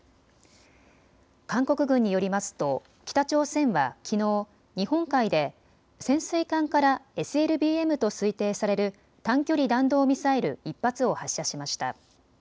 韓国軍によりますと北朝鮮はきのう日本海で潜水艦からＳＬＢＭと推定される短距離弾道ミサイル１発を発射しました。